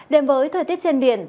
đềm với thời tiết trên biển